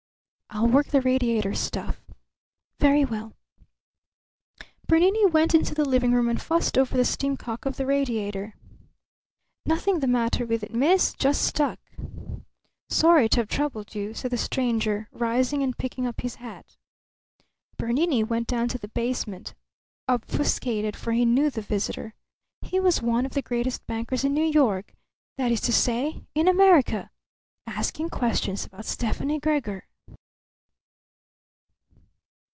"I'll work the radiator stuff." "Very well." Bernini went into the living room and fussed over the steam cock of the radiator. "Nothing the matter with it, miss. Just stuck." "Sorry to have troubled you," said the stranger, rising and picking up his hat. Bernini went down to the basement, obfuscated; for he knew the visitor. He was one of the greatest bankers in New York that is to say, in America! Asking questions about Stefani Gregor!